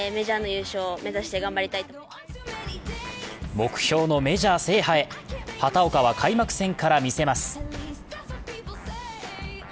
目標のメジャー制覇へ、畑岡は開幕戦から見せます。